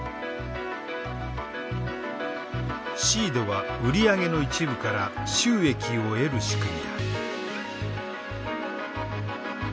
ｓｅｅｅｄは売り上げの一部から収益を得る仕組みだ。